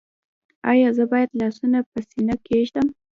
ایا زه باید لاسونه په سینه کیږدم؟